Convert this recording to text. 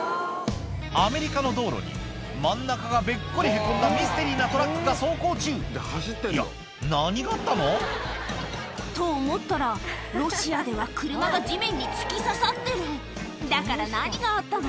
アメリカの道路に真ん中がべっこりへこんだミステリーなトラックが走行中いや何があったの？と思ったらロシアでは車が地面に突き刺さってるだから何があったの？